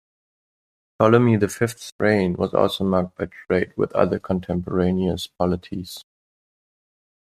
Ptolemy the Fifth's reign was also marked by trade with other contemporaneous polities.